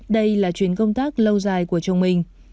đây là chuyến công tác lâu dài của chồng mình